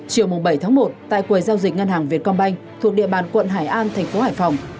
chiều bảy một tại quầy giao dịch ngân hàng vietcombank thuộc địa bàn quận hải an thành phố hải phòng